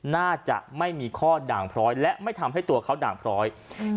น่าจะไม่มีข้อด่างพร้อยและไม่ทำให้ตัวเขาด่างพร้อยอืม